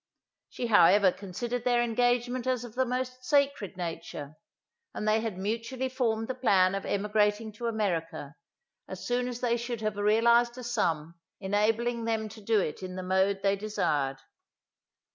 She however considered their engagement as of the most sacred nature; and they had mutually formed the plan of emigrating to America, as soon as they should have realized a sum, enabling them to do it in the mode they desired.